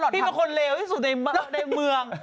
พี่เป็นคนเลวที่สุดในเมือง